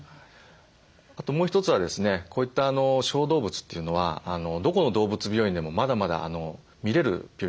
あともう一つはですねこういった小動物というのはどこの動物病院でもまだまだ診れる病院が少ないんですね。